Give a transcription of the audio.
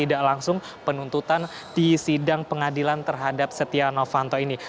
tidak langsung penuntutan di sidang pengadilan terhadap setia novanto ini